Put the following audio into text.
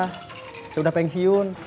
saya udah pensiun